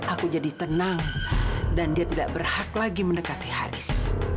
aku jadi tenang dan dia tidak berhak lagi mendekati haris